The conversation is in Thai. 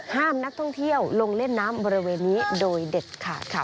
ห้ามนักท่องเที่ยวลงเล่นน้ำบริเวณนี้โดยเด็ดขาดค่ะ